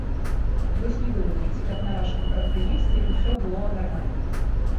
Вось і вы думайце, каб на вашым прадпрыемстве ўсё было нармальна.